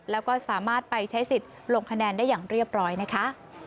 แล้วก็สามารถไปใช้สิทธิ์ลงคะแนนได้อย่างเรียบร้อยนะคะ